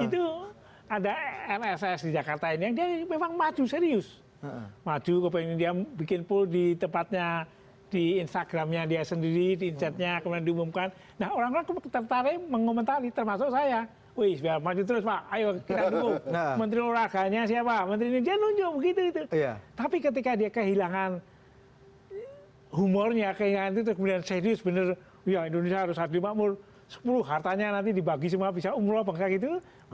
itu ada rss di jakarta ini yang dia memang maju serius maju ke pengindian bikin pool di tempatnya di instagramnya dia sendiri di chatnya kemudian diumumkan nah orang orang tertarik mengomentari termasuk saya wih biar maju terus pak ayo kita dukung menteri uraganya siapa menteri indonesia nunjuk begitu gitu tapi ketika dia kehilangan humornya kehilangan itu kemudian serius bener ya indonesia harus hadir makmur sepuluh hartanya nanti dibagi semua bisa umrah apa enggak gitu